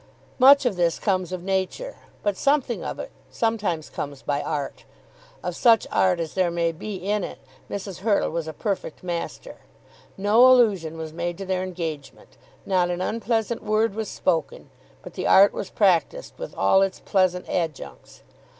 Much of this comes of nature, but something of it sometimes comes by art. Of such art as there may be in it Mrs. Hurtle was a perfect master. No allusion was made to their engagement, not an unpleasant word was spoken; but the art was practised with all its pleasant adjuncts.